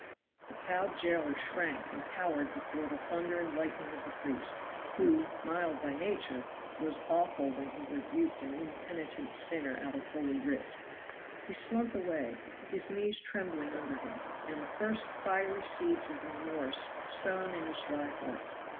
The cowed jailer shrank and cowered before the thunder and lightning of the priest, who, mild by nature, was awful when he rebuked an impenitent sinner out of holy writ. He slunk away, his knees trembling under him, and the first fiery seeds of remorse sown in his dry heart.